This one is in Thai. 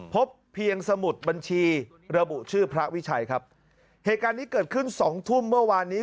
พบเพียงสมุดบัญชีระบุชื่อพระวิชัยครับเหตุการณ์นี้เกิดขึ้นสองทุ่มเมื่อวานนี้